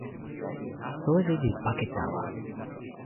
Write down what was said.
soweli li pake tawa.